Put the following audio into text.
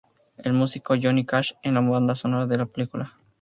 El músico Johnny Cash en la banda sonora de la película.